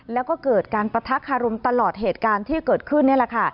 แล้วก็เกิดการปะทะคารมตลอดเหตุการณ์ที่เกิดขึ้นนี่แหละค่ะ